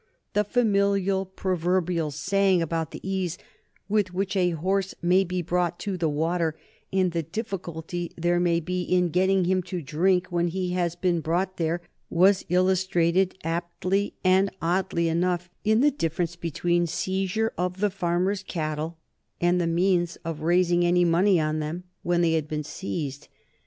The familiar proverbial saying about the ease with which a horse may be brought to the water and the difficulty there may be in getting him to drink when he has been brought there was illustrated aptly and oddly enough in the difference between seizure of the farmer's cattle and the means of raising any money on them when they had been seized.